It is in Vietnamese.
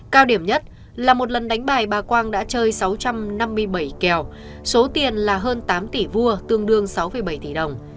cao điểm nhất là một lần đánh bài bà quang đã chơi sáu trăm năm mươi bảy kèo số tiền là hơn tám tỷ vuông tương đương sáu bảy tỷ đồng